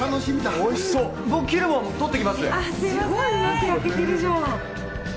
すごいうまく焼けてるじゃん。